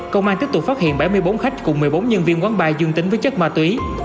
công an tiếp tục phát hiện bảy mươi bốn khách cùng một mươi bốn nhân viên quán bar dương tính với chất ma túy